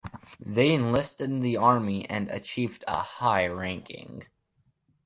They enlisted in the army, and achieved a high ranking.